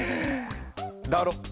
だろ？